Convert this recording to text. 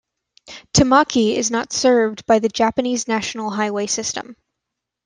Tamaki is not served by the Japanese national highway system.